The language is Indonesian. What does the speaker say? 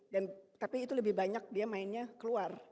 dan tapi itu lebih banyak dia mainnya keluar